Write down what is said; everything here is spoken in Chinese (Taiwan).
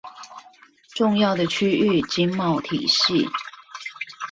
重要的區域經貿體系